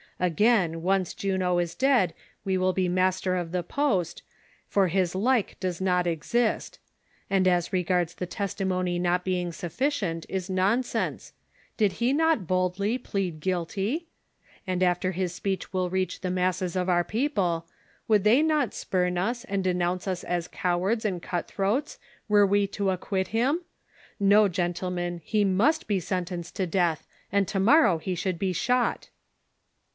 Again, once Juno is dead, we will be master of the post, for his like does not exist ; and as regards the testimony not being sufficient, is nonsense ; did he not boldly plead guilty ? And after his speech will reach the masses of our people, would they not spurn us, and denounce us as cowards and cut throats, were we to acquit him ? No, gentlemen, he must be sentenced to death, and to morrow he should be shot."